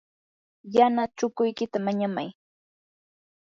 yana chukuykita mañamay.